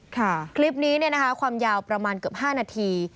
คลิปนี้เนี่ยนะคะความยาวประมาณเกือบ๕นาที